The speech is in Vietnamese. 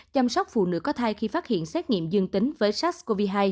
chăm sóc phụ nữ có thai khi phát hiện xét nghiệm dương tính với sars cov hai